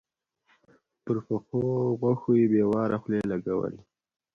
پر پخو غوښو يې بې واره خولې لګولې.